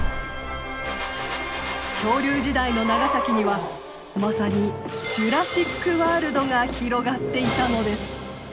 恐竜時代の長崎にはまさにジュラシックワールドが広がっていたのです。